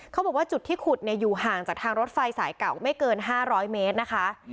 เขาบอกว่าจุดที่ขุดอยู่ห่างจากทางรถไฟสายเก่าไม่เกิน๕๐๐เมตรนะคะ